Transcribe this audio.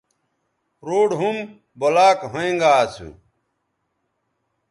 روڈ ھُم بلاکھوینگااسو